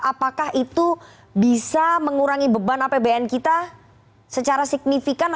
apakah itu bisa mengurangi beban apbn kita secara signifikan